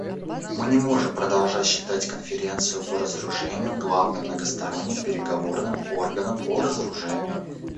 Мы не можем продолжать считать Конференцию по разоружению главным многосторонним переговорным органом по разоружению.